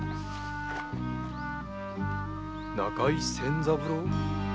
中井仙三郎？